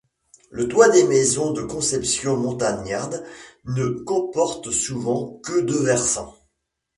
Le toit des maisons de conception montagnarde ne comporte souvent que deux versants.